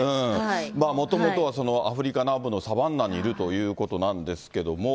もともとはアフリカ南部のサバンナにいるということなんですけれども。